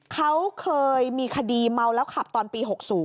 เขาเคยมีคดีเมาแล้วขับตอนปี๖๐